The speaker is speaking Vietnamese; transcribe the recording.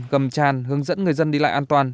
gầm tràn hướng dẫn người dân đi lại an toàn